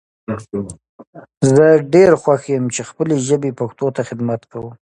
زه ډیر خوښ یم چی خپلې ژبي پښتو ته خدمت کوم